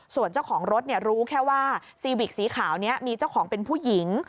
ส่วนเจ้าของรถรู้แค่ว่าซีวิกสีขาวนี้มีเจ้าของเป็นผู้หญิง